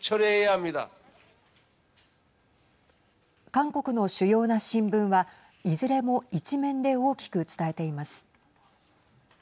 韓国の主要な新聞はいずれも１面で大きく伝えています。